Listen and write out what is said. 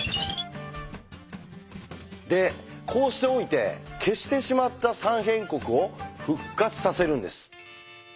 でこうしておいて消してしまった「三辺国」を復活させるんです。